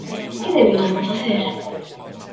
Que deberían facer?